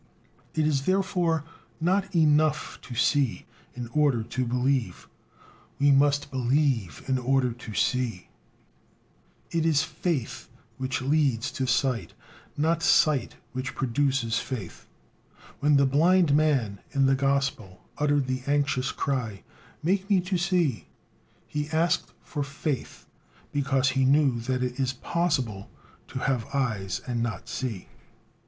It is, therefore, not enough to see in order to believe; we must believe in order to see. It is faith which leads to sight, not sight which produces faith. When the blind man in the gospel uttered the anxious cry: "Make me to see," he asked for "faith," because he knew that it is possible to have eyes and not to see.